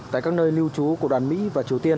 tại các nơi lưu trú của đoàn mỹ và triều tiên